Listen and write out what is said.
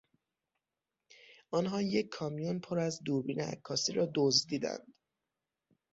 آنها یک کامیون پر از دوربین عکاسی را دزدیدند.